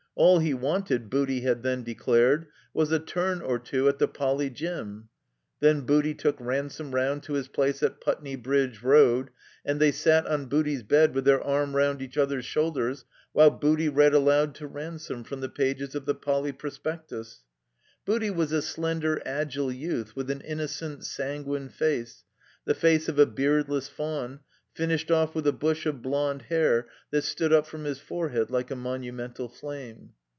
All he wanted, Booty had then declared, was a ttim or two at the Poly. Gym. Then Booty took Ransome round to his place in Putney Bridge Road, and they sat on Booty's bed with their arms round each other's shotdders while Booty read aloud to Ransome from the pages of the Poly. Prospectus. Booty was a slender, agile youth with an innocent, sanguine face, the face of a beardless faun, finished off with a bush of blond hair that stood up from his forehead like a monumental flame.